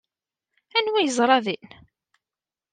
Anwa ay yeẓra din?